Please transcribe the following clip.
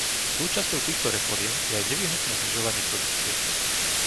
Súčasťou týchto reforiem je aj nevyhnutné znižovanie produkcie.